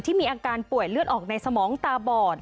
มีอาการป่วยเลือดออกในสมองตาบอด